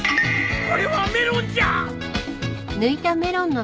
これはメロンじゃ！